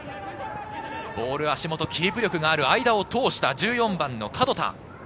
ボール足元キープ力がある間を通した１４番・角田。